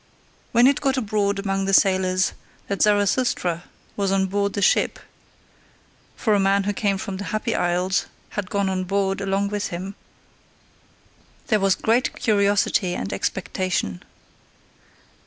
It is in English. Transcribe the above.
1. When it got abroad among the sailors that Zarathustra was on board the ship for a man who came from the Happy Isles had gone on board along with him, there was great curiosity and expectation.